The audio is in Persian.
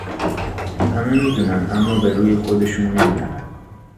همه می دونن اما به روی خودشون نمیارن